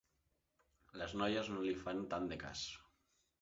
Les noies no li fan tant de cas.